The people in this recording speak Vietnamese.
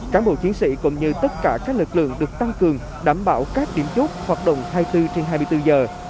cán bộ chiến sĩ cũng như tất cả các lực lượng được tăng cường đảm bảo các điểm chốt hoạt động hai mươi bốn trên hai mươi bốn giờ